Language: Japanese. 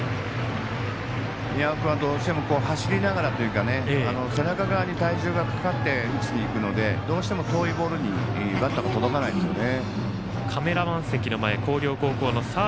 宮尾君は走りながらというか背中に体重を乗せながら打ちにいくのでどうしても遠いボールにバットが届かないんですよね。